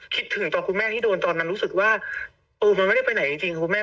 คิดถึงตอนคุณแม่ที่โดนตอนนั้นรู้สึกว่าเออมันไม่ได้ไปไหนจริงคุณแม่